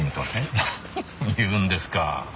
何を言うんですか。